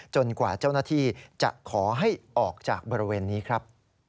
กว่าเจ้าหน้าที่จะขอให้ออกจากบริเวณนี้ครับ